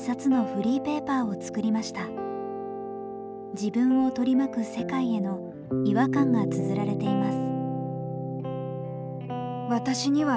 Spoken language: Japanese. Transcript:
自分を取り巻く世界への違和感がつづられています。